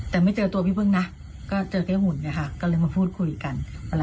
แต่ไม่เจอตัวพี่เฟิ้งนะก็เจอแค่หุ่นเราก็มาพูดคุยกัน